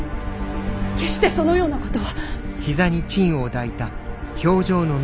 決してそのようなことは！